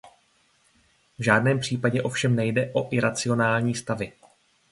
V žádném případě ovšem nejde o iracionální stavy.